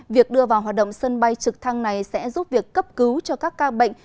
việc đưa vào hoạt động sân bay trực thăng này sẽ giúp việc cấp cứu cho các ca bệnh